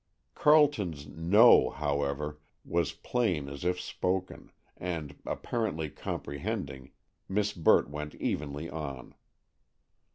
Carleton's "No," however, was as plain as if spoken, and, apparently comprehending, Miss Burt went evenly on.